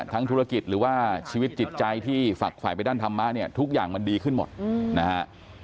ธุรกิจหรือว่าชีวิตจิตใจที่ฝักฝ่ายไปด้านธรรมะเนี่ยทุกอย่างมันดีขึ้นหมดนะฮะ